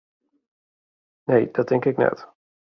Nee, dat tink ik net.